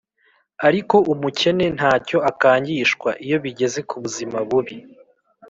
Ariko umukene nta cyo akangishwa iyo bigeze kubuzima bubi